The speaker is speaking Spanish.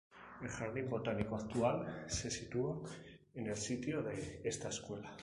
El Jardín Botánico actual se sitúa en el sitio de esta escuela.